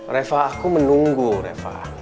reva aku menunggu reva